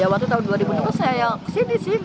waktu tahun dua ribu enam belas saya yang kesini sih